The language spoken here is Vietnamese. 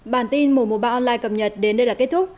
bản tin mùa mùa ba online cập nhật đến đây là kết thúc